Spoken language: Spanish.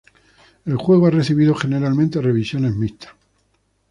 El juego ha recibido generalmente revisiones mixtas.